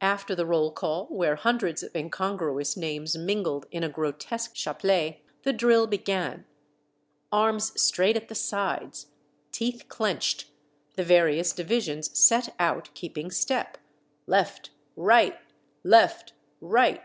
After the roll call, where hundreds of incongruous names mingled in a grotesque chaplet, the drill began. Arms straight at the sides, teeth clenched, the various divisions set out, keeping step, '* Left, right ! left, right